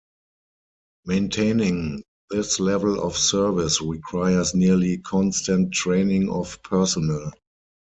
Maintaining this level of service requires nearly constant training of personnel.